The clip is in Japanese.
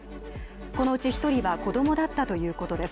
このうち１人は子供だったということです。